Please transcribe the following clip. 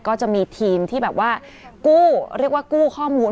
ก็จะมีทีมที่แบบว่ากู้เรียกว่ากู้ข้อมูล